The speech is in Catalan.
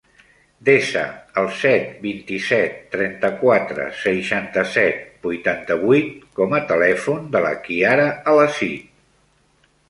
Desa el set, vint-i-set, trenta-quatre, seixanta-set, vuitanta-vuit com a telèfon de la Kiara Alacid.